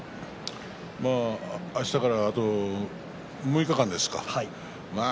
あしたから６日間ですかまあ